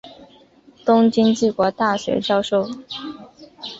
东京帝国大学教授。